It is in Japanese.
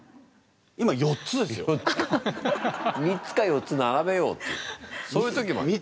３つか４つ並べようというそういう時もある。